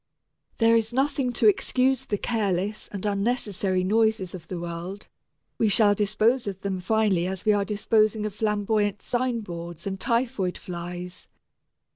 There is nothing to excuse the careless and unnecessary noises of the world we shall dispose of them finally as we are disposing of flamboyant signboards and typhoid flies.